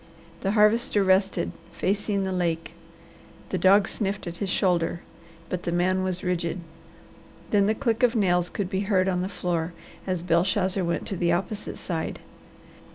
The Harvester rested, facing the lake. The dog sniffed at his shoulder, but the man was rigid. Then the click of nails could be heard on the floor as Belshazzar went to the opposite side.